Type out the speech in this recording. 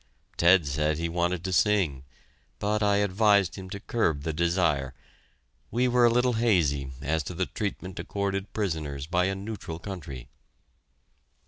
Ted said he wanted to sing, but I advised him to curb the desire. We were a little hazy as to the treatment accorded prisoners by a neutral country.